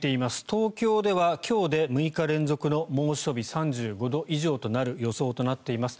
東京では今日で６日連続の猛暑日３５度以上となる予想となっています。